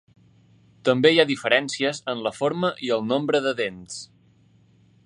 També hi ha diferències en la forma i el nombre de dents.